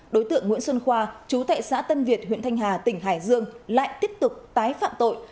đối tượng nguyễn xuân khoa chú tại xã tân việt huyện thanh hà tỉnh hải dương lại tiếp tục tái phạm tội